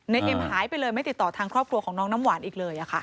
เอ็มหายไปเลยไม่ติดต่อทางครอบครัวของน้องน้ำหวานอีกเลย